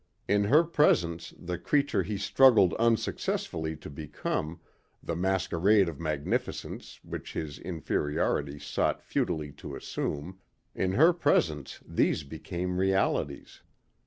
In her presence the creature he struggled unsuccessfully to become, the masquerade of magnificence which his inferiority sought futilely to assume in her presence these became realities.